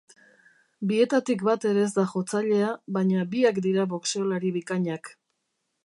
Bietatik bat ere ez da jotzailea, baina biak dira boxeolari bikainak.